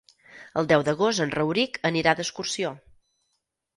El deu d'agost en Rauric anirà d'excursió.